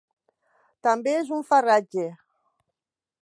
També és un farratge.